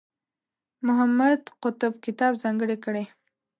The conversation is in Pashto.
محمد قطب کتاب ځانګړی کړی.